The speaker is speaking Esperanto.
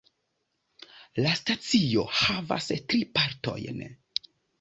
La stacio havas tri partojn.